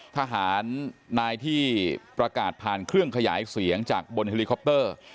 ทหารนายที่ประกาศผ่านเครื่องขยายเสียงจากบนเฮลิคอปเตอร์